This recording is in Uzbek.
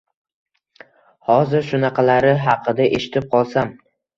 hozir shunaqalari haqida eshitib qolsam